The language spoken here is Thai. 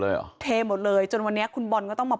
เหรอเทหมดเลยจนวันนี้คุณบอลก็ต้องมา